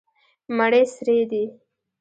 مڼې سرې دي.